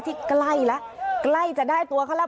ที่ใกล้ละใกล้จะได้ตัวเข้าแล้ว